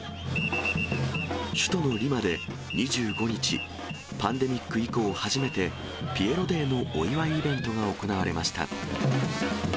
首都のリマで２５日、パンデミック以降、初めてピエロ・デーのお祝いイベントが行われました。